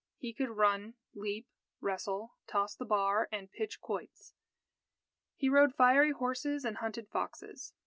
He could run, leap, wrestle, toss the bar, and pitch quoits. He rode fiery horses and hunted foxes.